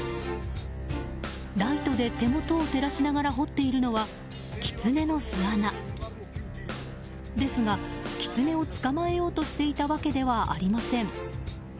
ライトで手元を照らしながら掘っているのはキツネの巣穴。ですが、キツネを捕まえようとしていたわけではありません。